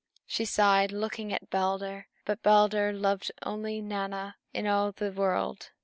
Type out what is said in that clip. She sighed, looking at Balder. But Balder loved only Nanna in all the world.